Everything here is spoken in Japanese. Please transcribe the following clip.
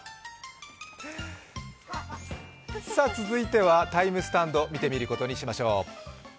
続いてはＴＩＭＥスタンド見てみることにしましょう。